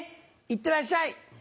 いってらっしゃい！